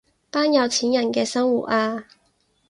班有錢人嘅生活啊